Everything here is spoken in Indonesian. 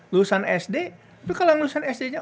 lulusan sd itu kalau lulusan sdnya